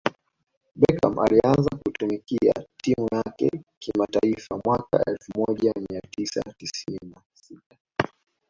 Beckam alianza kuitumikia timu yake kimataifa mwaka elfu moja mia tisa tisini na sita